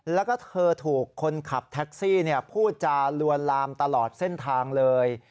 แล้วก็เธอถูกคนขับแท็กซี่พูดจาลวนลามตลอดเส้นทางเลย